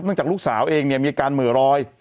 เนื่องจากลูกสาวเองเนี่ยมีการเหมือรอย